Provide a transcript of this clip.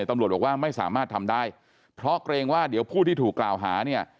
ตำรวจบอกว่าไม่สามารถทำได้เพราะเกรงว่าเดี๋ยวผู้ที่ถูกกล่าวหาเนี่ย